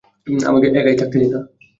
আমাকে একাই থাকতে দিতা!